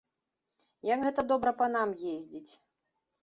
Як гэта добра панам ездзіць.